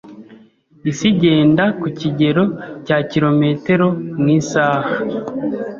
Isi igenda ku kigero cya kilometero . mu isaha.